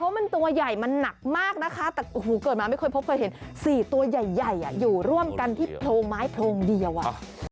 เพราะมันตัวใหญ่มันหนักมากนะคะแต่โอ้โหเกิดมาไม่เคยพบเคยเห็น๔ตัวใหญ่อยู่ร่วมกันที่โพรงไม้โพรงเดียวอ่ะ